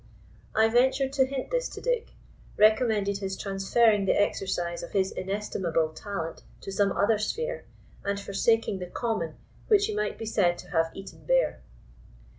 I ventured to hint this to Dick, recommended his transferring the exercise of his inestimable talent to some other sphere, and forsaking the common which he might be said to have eaten bare.